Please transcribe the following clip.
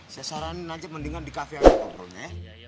saya saranin aja mendingan di cafe yang lu ngobrolnya ya